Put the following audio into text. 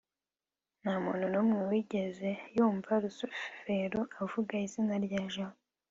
ntamuntu numwe wigeze yumva rusufero avuga izina rya jabo